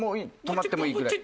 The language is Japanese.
止まってもいいぐらい。